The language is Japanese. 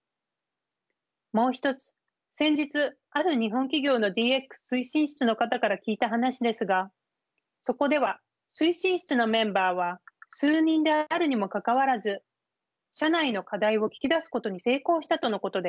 もう一つ先日ある日本企業のＤＸ推進室の方から聞いた話ですがそこでは推進室のメンバーは数人であるにもかかわらず社内の課題を聞き出すことに成功したとのことです。